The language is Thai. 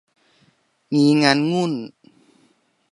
งี้งั้นงุ้น